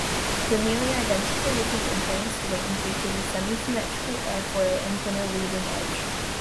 The nearly identical-looking "advanced" wing features a semi-symmetrical airfoil and thinner leading edge.